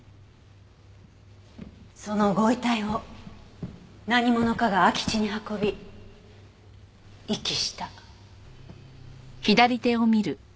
そのご遺体を何者かが空き地に運び遺棄した。